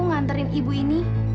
ngantarin ibu ini